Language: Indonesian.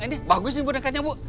ini bagus bu dengkanya bu